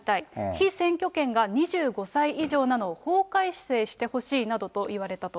被選挙権が２５歳以上なのを法改正してほしいなどと言われたと。